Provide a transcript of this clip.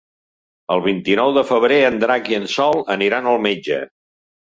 El vint-i-nou de febrer en Drac i en Sol aniran al metge.